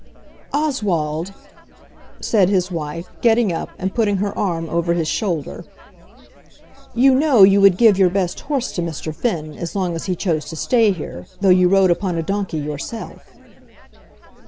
"Oswald," said his wife, getting up, and putting her arm over his shoulder, "you know you would give your best horse to Mr. Finn, as long as he chose to stay here, though you rode upon a donkey yourself."